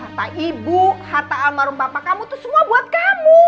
kata ibu harta almarhum bapak kamu itu semua buat kamu